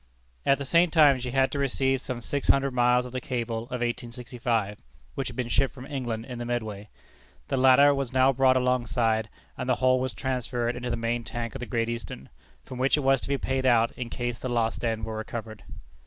At the same time she had to receive some six hundred miles of the cable of 1865, which had been shipped from England in the Medway. The latter was now brought alongside, and the whole was transferred into the main tank of the Great Eastern, from which it was to be paid out in case the lost end were recovered.